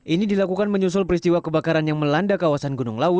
ini dilakukan menyusul peristiwa kebakaran yang melanda kawasan gunung lawu